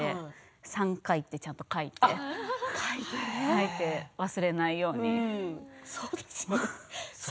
３回と書いて忘れないように。